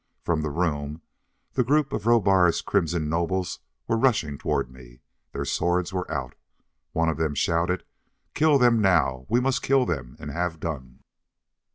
From the room, the group of Rohbar's crimson nobles were rushing toward me! Their swords were out. One of them shouted, "Kill them now! We must kill them and have done!"